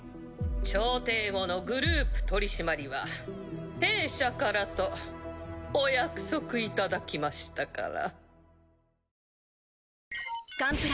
調停後のグループ取締は弊社からとお約束いただきましたから。